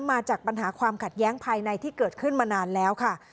มาจากปัญหาความขัดแย้งภายในที่เกิดขึ้นมานานแล้วค่ะ